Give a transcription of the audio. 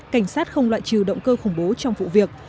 cảnh sát không loại trừ động cơ khủng bố trong vụ việc